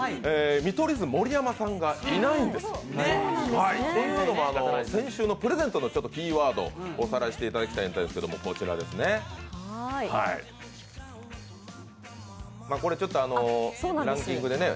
見取り図・盛山さんがいないんですというのも、先週のプレゼントのキーワードをおさらいしたいんですけれども、これちょっとランキングでね。